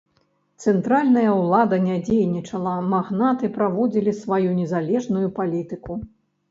Цэнтральная ўлада не дзейнічала, магнаты праводзілі сваю незалежную палітыку.